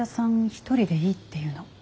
一人でいいって言うの。